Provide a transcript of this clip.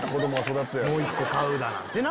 もう一個買うだなんてな。